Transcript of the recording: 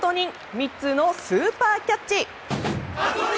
ミッツのスーパーキャッチ！